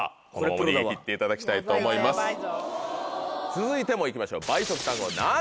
続いてもいきましょう。